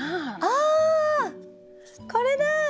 あこれだ！